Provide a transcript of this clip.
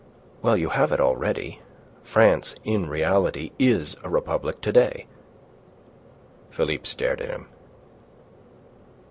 Well, you have it already. France in reality is a republic to day." Philippe stared at him.